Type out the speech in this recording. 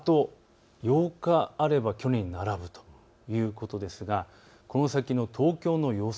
あと８日あれば去年に並ぶということですがこの先の東京の予想